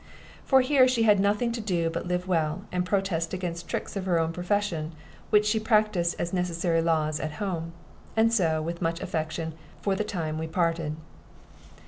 For here she had nothing to do but live well, and protest against tricks of her own profession which she practiced as necessary laws at home; and so, with much affection, for the time we parted.